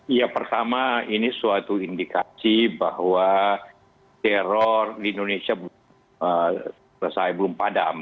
ya pertama ini suatu indikasi bahwa teror di indonesia belum selesai belum padam